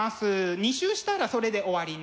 ２周したらそれで終わりね。